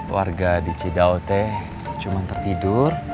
warga di cidao teh cuma tertidur